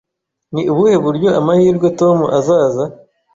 Ni ubuhe buryo amahirwe Tom azaza?